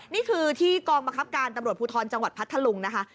นี่คือที่กองบังคับการตำรวจภูทรจังหวัดพัทธลุงนะคะ